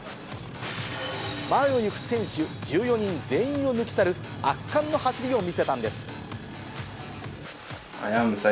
前を行く選手１４人全員を抜き去る圧巻の走りを見せたんです。